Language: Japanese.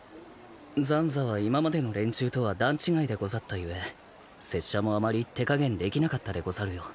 斬左は今までの連中とは段違いでござった故拙者もあまり手加減できなかったでござるよ。